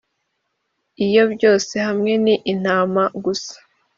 iyo byose hamwe ni intama gusa